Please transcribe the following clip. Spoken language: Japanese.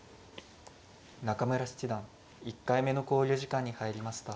中村七段１回目の考慮時間に入りました。